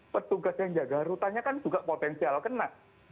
petugas yang jaga rutannya kan juga potensial kena